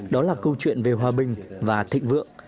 đó là câu chuyện về hòa bình và thịnh vượng